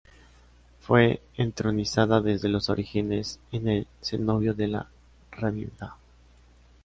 Fue entronizada desde los orígenes en el cenobio de la Rábida.